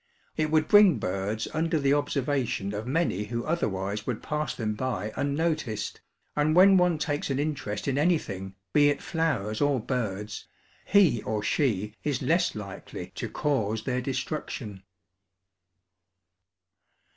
It would bring birds under the observation of many who otherwise would pass them by unnoticed, and when one takes an interest in anything, be it flowers or birds, he or she is less likely to cause their destruction.